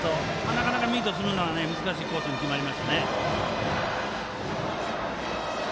なかなかミートするのは難しいコースに決まりましたね。